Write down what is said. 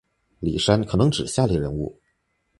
李珊可能指下列人物